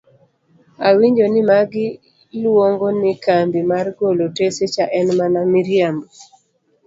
Awinjo ni magi luong'o ni kambi mar golo otese cha en mana miriambo!